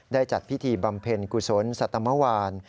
ได้จัดพิธีบำเพ็ญกุศลสัตว์เมื่อวาน